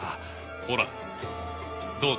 ほらどうぞ。